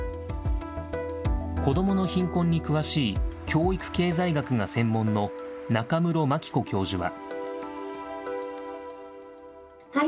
子どもの貧困に詳しい、教育経済学が専門の中室牧子教授は。